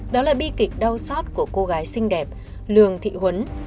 đó là bi kịch đau xót của cô gái xinh đẹp lường thị huấn